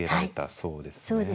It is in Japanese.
そうですね。